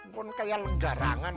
kan kayak lenggarangan